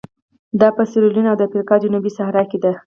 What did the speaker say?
دا په سیریلیون او د افریقا جنوب صحرا کې ده.